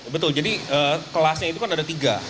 betul jadi kelasnya itu kan ada tiga